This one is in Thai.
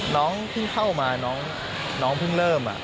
น้องเพิ่งเข้ามาน้องเพิ่งเริ่ม